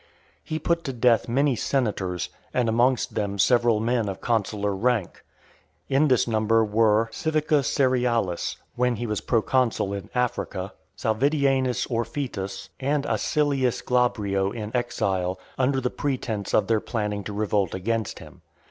He put to death many senators, and amongst them several men of consular rank. In this number were, Civica Cerealis, when he was proconsul in Africa, Salvidienus Orfitus, and Acilius Glabrio in exile, under the pretence of their planning to revolt against him.